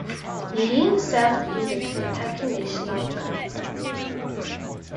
Lynn served in the Kentucky National Guard.